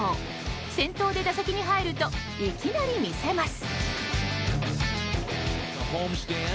先頭で打席に入るといきなり見せます。